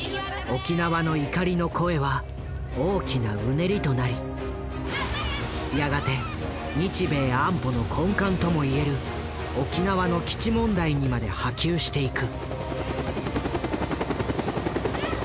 沖縄の怒りの声は大きなうねりとなりやがて日米安保の根幹ともいえる沖縄の基地問題にまで波及していく。